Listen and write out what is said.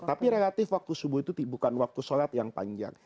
tapi relatif waktu subuh itu bukan waktu sholat yang panjang